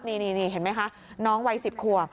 นี่เห็นไหมคะน้องวัย๑๐ขวบ